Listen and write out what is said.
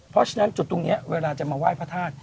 เพราะฉะนั้นจุดตรงนี้เวลาจะมาไหว้พระธาตุ